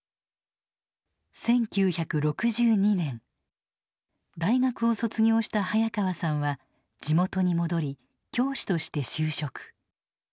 １９６２年大学を卒業した早川さんは地元に戻り教師として就職。